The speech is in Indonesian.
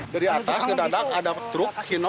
dari atas ada truk kino